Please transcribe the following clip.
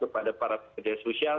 kepada para pemerintah sosial